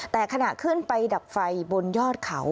แต่ขณะขึ้นไปดับไฟบนยอดเขา